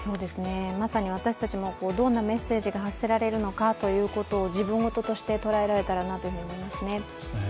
まさに私たちもどんなメッセージが発せられるのかということを自分事として捉えられたなと思いますね。